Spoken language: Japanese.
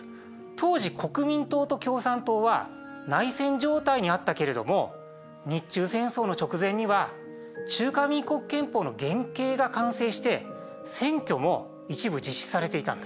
当時国民党と共産党は内戦状態にあったけれども日中戦争の直前には中華民国憲法の原型が完成して選挙も一部実施されていたんだ。